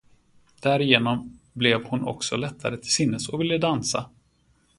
Därigenom blev hon också lättare till sinnes och ville dansa.